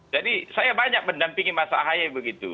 jadi saya banyak mendampingi mas ahai begitu